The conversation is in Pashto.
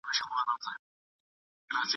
ایا مشرانو ګامونه پورته کړل؟